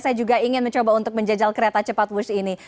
saya juga ingin mencoba untuk menjajal kereta cepat wus ini